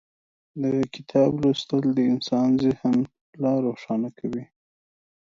د کتاب لوستل د انسان ذهن لا روښانه کوي.